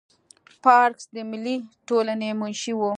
پارکس د ملي ټولنې منشي وه.